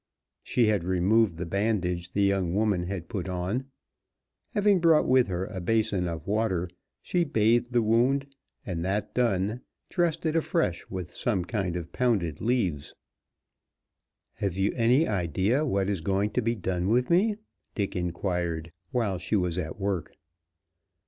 She had removed the bandage the young woman had put on. Having brought with her a basin of water, she bathed the wound, and that done, dressed it afresh with some kind of pounded leaves. "Have you any idea what is going to be done with me?" Dick inquired, while she was at work.